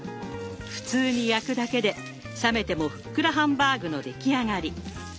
普通に焼くだけで冷めてもふっくらハンバーグの出来上がり。